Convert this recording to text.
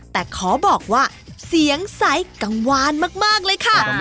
แต่ขอบอกว่าเสียงใสกังวานมากเลยค่ะ